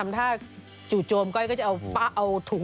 นางวิ่งเยอะจริง